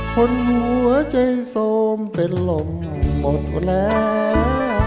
คนหัวใจโทรมเป็นลมหมดแล้ว